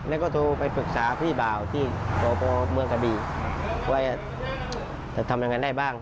แต่ทำยังไงได้บ้าง